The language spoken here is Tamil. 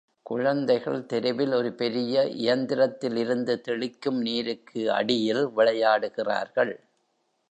குழந்தைகள் தெருவில் ஒரு பெரிய இயந்திரத்தில் இருந்து தெளிக்கும் நீருக்கு அடியில் விளையாடுகிறார்கள்.